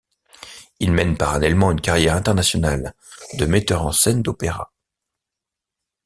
Il mène parallèlement une carrière internationale de metteur en scène d'opéra.